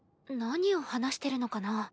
何を話してるのかな？